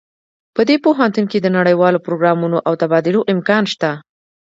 په دې پوهنتون کې د نړیوالو پروګرامونو او تبادلو امکان شته